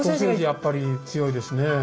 やっぱり強いですねえ。